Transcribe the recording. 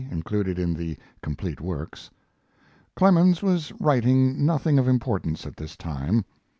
Included in the "Complete Works."] Clemens was writing nothing of importance at this time.